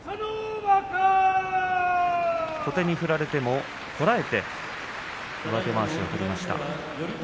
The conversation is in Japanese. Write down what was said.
小手に振られても、こらえて上手まわしを取りました。